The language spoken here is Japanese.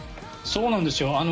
そうなんですよ。